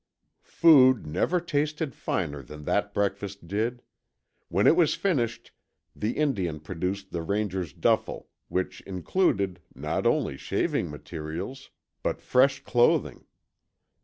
Food never tasted finer than that breakfast did. When it was finished, the Indian produced the Ranger's duffle, which included, not only shaving materials, but fresh clothing.